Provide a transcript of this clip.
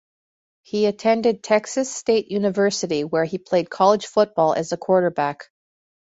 He attended Texas State University, where he played college football as a quarterback.